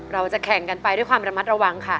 เราจะแข่งกันไปด้วยความระมัดระวังค่ะ